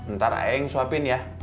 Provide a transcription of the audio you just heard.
ntar ayah yang suapin ya